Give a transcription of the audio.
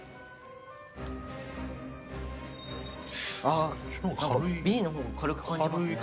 あっＢの方が軽く感じますね。